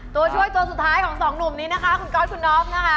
ตัวช่วยพวกสุดท้ายของ๒หนุ่มนี้นะคะ